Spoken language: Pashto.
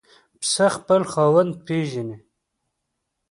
پسه خپل خاوند پېژني.